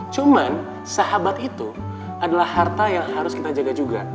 cuman sahabat itu adalah harta yang harus kita jaga juga